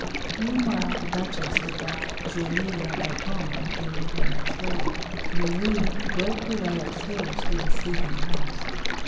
VIII Meanwhile the Duchess had dropped Julie Le Breton at Lady Henry's door. Julie groped her way up stairs through the sleeping house.